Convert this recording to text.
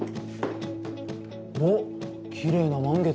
おっきれいな満月。